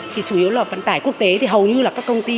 thì chủ yếu là vận tải quốc tế